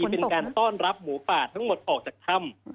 เป็นการต้อนรับหมูป่าทั้งหมดออกจากถ้ำ